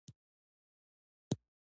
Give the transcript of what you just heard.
سرحدونه د افغانستان د اقتصاد برخه ده.